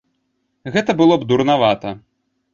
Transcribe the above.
Гэта было б дурнавата.